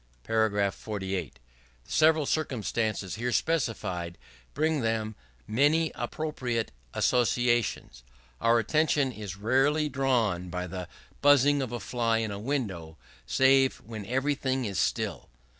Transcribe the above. § 48. The several circumstances here specified bring with them many appropriate associations. Our attention is rarely drawn by the buzzing of a fly in the window, save when everything is still.